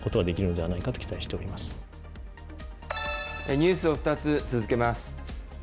ニュースを２つ続けます。